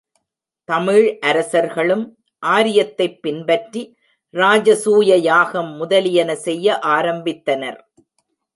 தமிழ் அரசர்களும் ஆரியத்தைப் பின்பற்றி, இராஜ சூய யாகம் முதலியன செய்ய ஆரம்பித்தனர்.